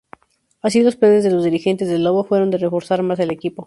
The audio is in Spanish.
Así los planes de los dirigentes del "Lobo" fueron de reforzar más el equipo.